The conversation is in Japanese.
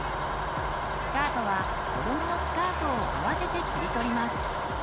スカートはこどものスカートを合わせて切り取ります。